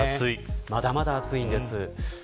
まだまだ暑いんです。